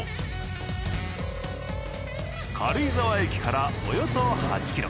軽井沢駅からおよそ８キロ。